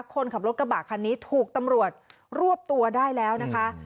คนขับรถกระบะคันนี้ถูกตำรวจรวบตัวได้แล้วนะคะ